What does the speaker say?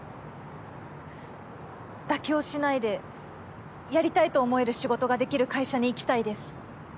妥協しないでやりたいと思える仕事ができる会社にいきたいです。